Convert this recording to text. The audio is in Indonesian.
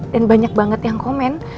dan banyak banget yang komen